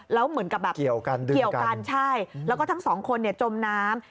แล้วเหมือนกับแบบเกี่ยวกันใช่แล้วก็ทั้งสองคนเนี่ยจมน้ำ